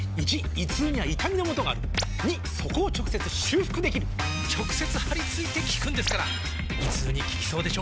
①胃痛には痛みのもとがある②そこを直接修復できる直接貼り付いて効くんですから胃痛に効きそうでしょ？